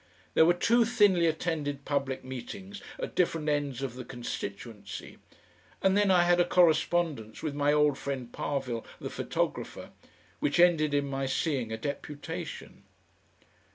There were two thinly attended public meetings at different ends of the constituency, and then I had a correspondence with my old friend Parvill, the photographer, which ended in my seeing a deputation.